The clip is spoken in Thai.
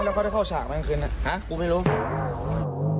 แล้วเขาได้เข้าฉากแม่งคืนน่ะครับกูไม่รู้